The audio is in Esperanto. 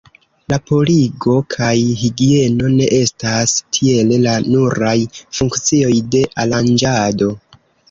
La purigo kaj higieno ne estas tiele la nuraj funkcioj de Aranĝado.